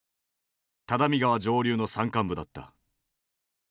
只見川上流の山間部だった。